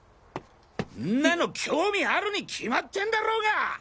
んなの興味あるに決まってんだろが！！